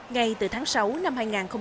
ngay từ tháng sáu năm hai nghìn hai mươi